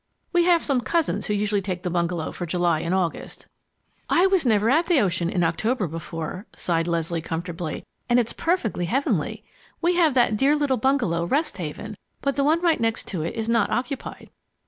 We have some cousins who usually take the bungalow for July and August." "I never was at the ocean in October before," sighed Leslie, comfortably, "and it's perfectly heavenly! We have that dear little bungalow, Rest Haven, but the one right next to it is not occupied."